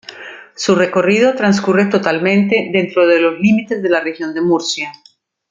Su recorrido transcurre totalmente dentro de los límites de la Región de Murcia.